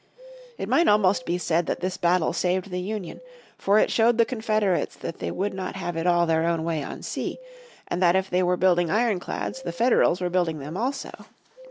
It might almost be said that this battle saved the Union, for it showed the Confederates that they would not have it all their own way on sea, and that if they were building ironclads the Federals were building them also.